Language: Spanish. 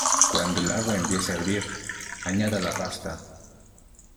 Cuando el agua empiece a hervir añada la pasta.